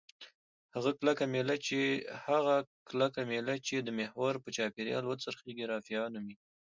هغه کلکه میله چې د محور په چاپیره وڅرخیږي رافعه نومیږي.